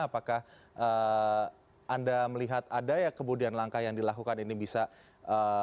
apakah anda melihat ada ya kemudian langkah yang dilakukan ini bisa dilakukan